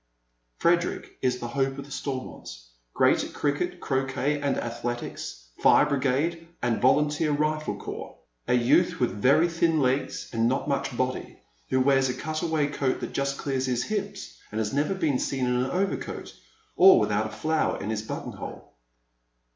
Frederick is the hope of the Stormonts — great at cricket, croquet, and athletics, fire brigade and volunteer rifle corps : ft Sibyl takes iJie Lead. 88 youth with very thin legs, and not much body, who wears a cutaway coat that just clears hia hips, and has never been seen in an overcoat, or without a flower in his button hole.